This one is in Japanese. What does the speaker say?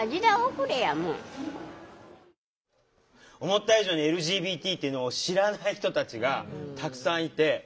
思った以上にＬＧＢＴっていうのを知らない人たちがたくさんいて。